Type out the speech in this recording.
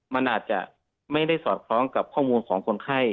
มันอาจจะไม่ได้สอดคล้องกับข้อมูลของคนไข้